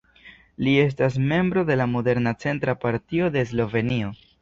Li estas membro de la moderna centra partio de Slovenio.